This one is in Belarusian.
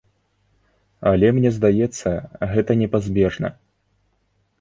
Але мне здаецца, гэта непазбежна.